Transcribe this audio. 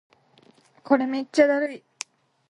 これめっちゃだるい